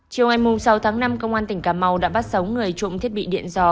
chiều ngày sáu tháng năm công an tỉnh cà mau đã bắt sống người trộm thiết bị điện gió